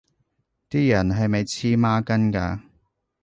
啲人係咪黐孖筋㗎